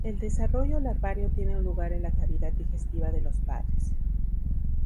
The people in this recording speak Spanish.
El desarrollo larvario tiene lugar en la cavidad digestiva de los padres.